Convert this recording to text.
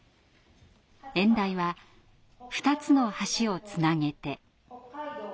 演題は「二つの橋をつなげて」。